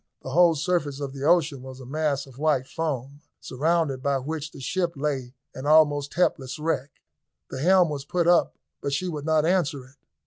The whole surface of the ocean was a mass of white foam, surrounded by which the ship lay an almost helpless wreck. The helm was put up but she would not answer it.